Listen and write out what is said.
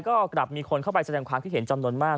ก็กลับมีคนเข้าไปแสดงความคิดเห็นจำนวนมาก